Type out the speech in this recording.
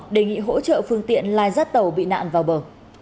đề nghị hỗ trợ phương tiện lai rắt tàu bị nạn vào bờ